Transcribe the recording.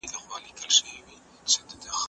هغه وويل چي چايي څښل ګټور دي،